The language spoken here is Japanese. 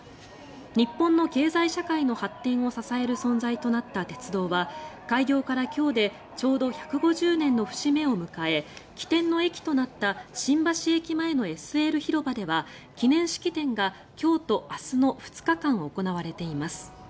日本の経済社会の発展を支える存在となった鉄道は開業から今日でちょうど１５０年の節目を迎え起点の駅となった新橋駅前のＳＬ広場では記念式典が今日と明日の２日間行われています。